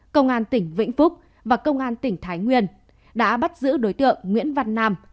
công an tỉnh vĩnh phúc và công an tỉnh thái nguyên đã bắt giữ đối tượng nguyễn văn nam